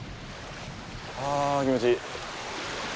ああ、気持ちいい。